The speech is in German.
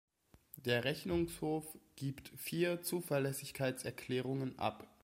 Der Rechnungshof gibt vier Zuverlässigkeitserkärungen ab.